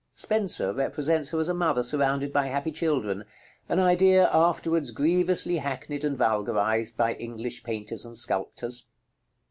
Spenser represents her as a mother surrounded by happy children, an idea afterwards grievously hackneyed and vulgarized by English painters and sculptors.